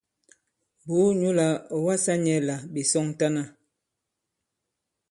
Bùu nyǔ là ɔ̀ wasā nyɛ̄ là ɓè sɔŋtana.